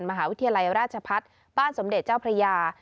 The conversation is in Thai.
มหาวิทยาลัยราชพัฒน์บ้านสมเด็จเจ้าพระยา